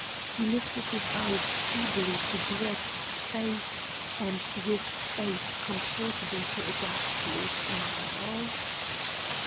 He lifted his eyes feebly to Brett's face, and his face contorted in a ghastly smile.